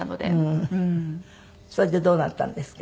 それでどうなったんですか？